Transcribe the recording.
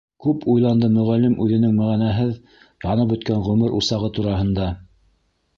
Күп уйланды Мөғәллим үҙенең мәғәнәһеҙ янып бөткән ғүмер усағы тураһында.